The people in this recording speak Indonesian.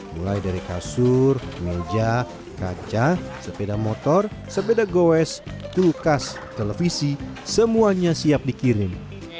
mulai dari kasur meja kaca sepeda motor sepeda goes tukas televisi semuanya siap dikirim